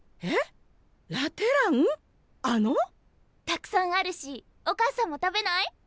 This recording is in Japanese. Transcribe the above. たくさんあるしお母さんも食べない？